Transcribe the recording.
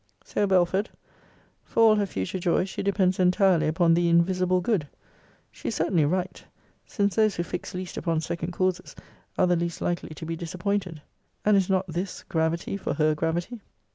So, Belford, for all her future joys she depends entirely upon the invisible Good. She is certainly right; since those who fix least upon second causes are the least likely to be disappointed And is not this gravity for her gravity?